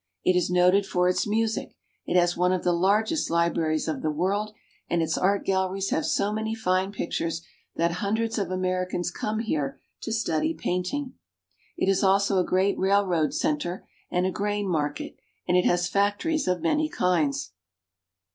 It is noted for its music; it has one of the largest libraries of the world, and its art galleries have so many fine pictures that hundreds of Americans come here to study painting. It is also a great railroad center, and a grain market, and it has factories of many kinds.